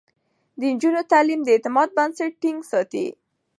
د نجونو تعليم د اعتماد بنسټ ټينګ ساتي.